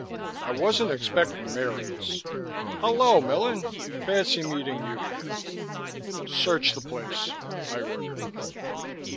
I wasn't expecting miracles. Hello, Millen. Fancy meeting you here." "Search the place," I ordered.